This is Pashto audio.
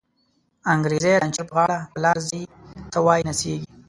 انگریزی لنچر په غاړه، په لار ځی ته وایی نڅیږی